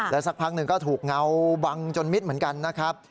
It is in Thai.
สักพักหนึ่งก็ถูกเงาบังจนมิดเหมือนกันนะครับ